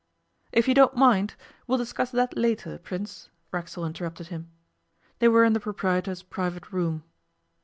'If you don't mind, we'll discuss that later, Prince,' Racksole interrupted him. They were in the proprietor's private room.